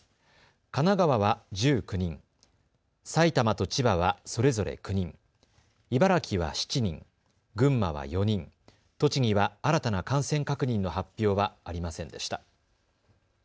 神奈川は１９人、埼玉と千葉はそれぞれ９人、茨城は７人、群馬は４人、栃木は新たな感染確認の発表はありませんでした。